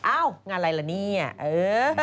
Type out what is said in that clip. อ้าวงานอะไรล่ะเนี่ยเออ